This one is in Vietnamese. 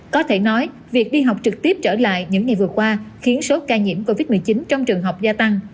có thể nói việc đi học trực tiếp trở lại những ngày vừa qua khiến số ca nhiễm covid một mươi chín trong trường học gia tăng